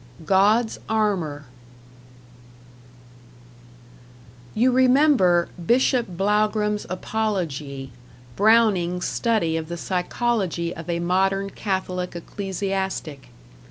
#God's Armor# You remember "Bishop Blougram's Apology," Browning's study of the psychology of a modern Catholic ecclesiastic.